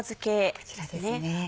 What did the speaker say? こちらですね。